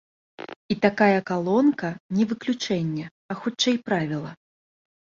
І такая калонка не выключэнне, а, хутчэй, правіла.